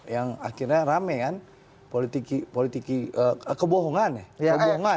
yang akhirnya rame kan politiki kebohongan ya